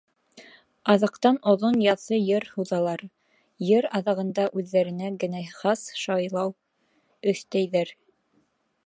Аҙаҡтан оҙон яҫы йыр һуҙалар, йыр аҙағында үҙҙәренә генә хас шайлау өҫтәйҙәр.